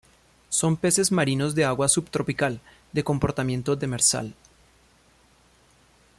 Son peces marinos de agua subtropical, de comportamiento demersal.